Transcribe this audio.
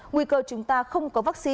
nguy cơ chúng ta không có vắc xin